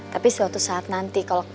tapi suatu saat nanti